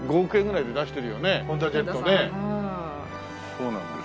そうなんですよ。